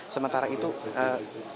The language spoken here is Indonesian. sementara itu pengamanan